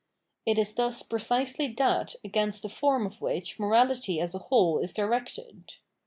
It is thus precisely that against the form of which morahty as a whole is directed.